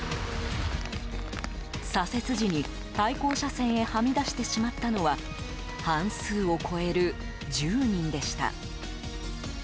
左折時に、対向車線へはみ出してしまったのは半数を超える１０人でした。